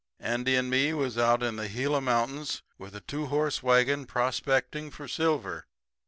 Andy and me was out in the Gila mountains with a two horse wagon prospecting for silver.